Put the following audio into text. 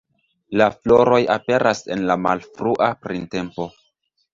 La floroj aperas en la malfrua printempo.